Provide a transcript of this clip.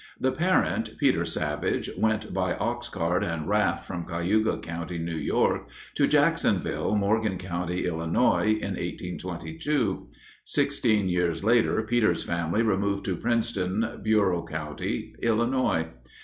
The parent, Peter Savage, went by ox cart and raft from Cayuga County, New York, to Jacksonville, Morgan County, Illinois, in 1822. Sixteen years later Peter's family removed to Princeton, Bureau County, Illinois.